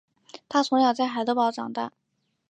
他从小在海德堡长大。